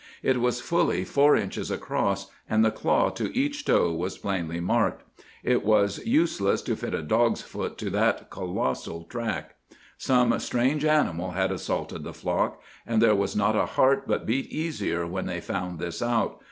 It was fully four inches across, and the claw to each toe was plainly marked. It was useless to fit a dog's foot to that colossal track. Some strange animal had assaulted the flock, and there was not a heart but beat easier when they found this out.